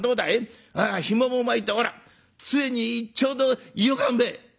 ひもも巻いてほらつえにちょうどよかんべ」。